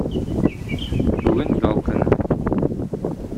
Бүген ял көне.